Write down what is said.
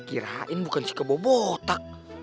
kirain bukan si kebobotak